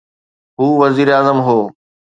هو وزيراعظم هو.